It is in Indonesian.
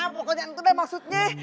pokoknya itu dah maksudnya